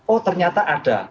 oh ternyata ada